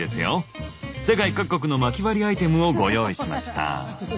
世界各国のまき割りアイテムをご用意しました。